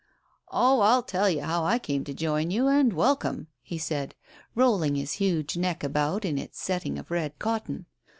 "Oh, I'll tell you how I came to join you and wel come !" he said, rolling his huge neck about in its setting of red cotton.